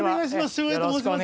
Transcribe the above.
照英と申します。